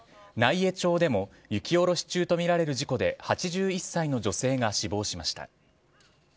奈井江町でも雪下ろし中とみられる事故で８１歳の女性が死亡しました。